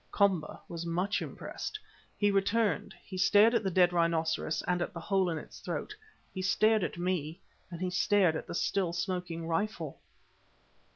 Komba was much impressed. He returned; he stared at the dead rhinoceros and at the hole in its throat; he stared at me; he stared at the still smoking rifle.